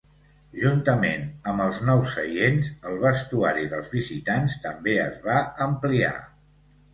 Juntament amb els nous seients, el vestuari dels visitants també es va ampliar.